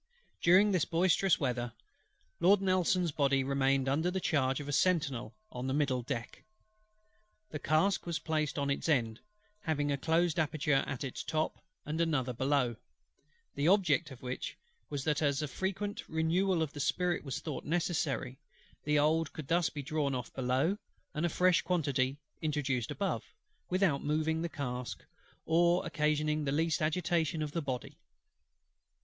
During this boisterous weather, Lord NELSON'S Body remained under the charge of a sentinel on the middle deck. The cask was placed on its end, having a closed aperture at its top and another below; the object of which was, that as a frequent renewal of the spirit was thought necessary, the old could thus be drawn off below and a fresh quantity introduced above, without moving the cask, or occasioning the least agitation of the Body.